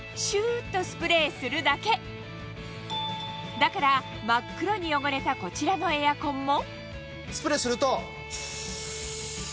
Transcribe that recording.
だから真っ黒に汚れたこちらのエアコンもスプレーすると。